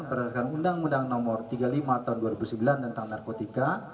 berdasarkan undang undang nomor tiga puluh lima tahun dua ribu sembilan tentang narkotika